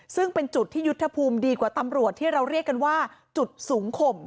ซึ่งเป็นจุดที่ยุทธภูมิดีกว่าตำรวจที่เราเรียกกันว่าจุดสูงข่ม